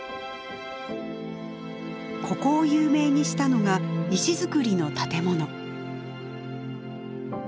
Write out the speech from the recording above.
ここを有名にしたのが石造りの建物。